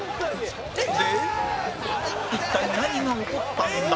で一体何が起こったんだ？